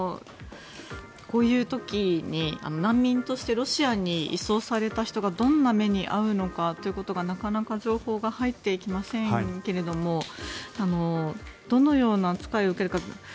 こういう時に難民としてロシアに移送された人がどんな目に遭うのかということがなかなか情報が入ってきませんけれどどのような扱いを受けるか